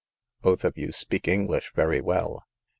Both of you speak English very well."